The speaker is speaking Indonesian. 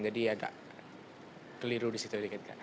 jadi agak keliru disitu